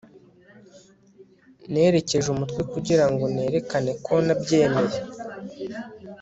nerekeje umutwe kugira ngo nerekane ko nabyemeye